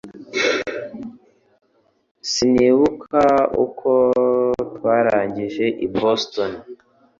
Sinibuka uko twarangije i Boston